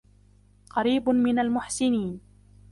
قَرِيبٌ مِنْ الْمُحْسِنِينَ